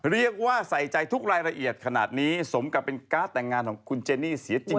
เรียกว่าใส่ใจทุกรายละเอียดขนาดนี้สมกับเป็นการ์ดแต่งงานของคุณเจนี่เสียจริง